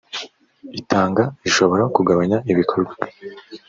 itanga ishobora kugabanya ibikorwa